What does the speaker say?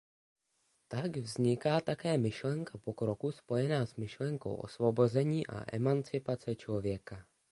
Tak vzniká také myšlenka pokroku spojená s myšlenkou osvobození a emancipace člověka.